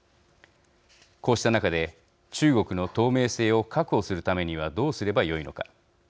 こうした中で中国の透明性を確保するためにはどうすればよいのか。